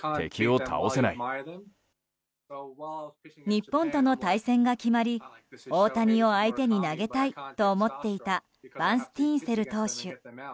日本との対戦が決まり大谷を相手に投げたいと思っていたバンスティーンセル投手。